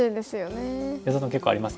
安田さん結構ありますか？